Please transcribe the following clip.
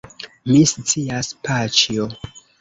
Mi scias, paĉjo.